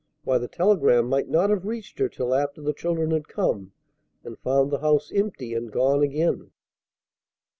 Why, the telegram might not have reached her till after the children had come, and found the house empty, and gone again!